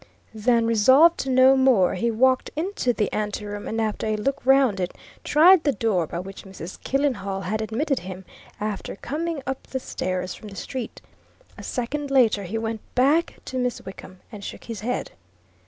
Then, resolved to know more, he walked into the anteroom, and after a look round it, tried the door by which Mrs. Killenhall had admitted him after coming up the stairs from the street; a second later he went back to Miss Wickham and shook his head.